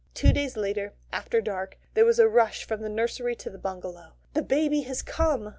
Two days later, after dark, there was a rush from the nursery to the bungalow. "The baby has come!"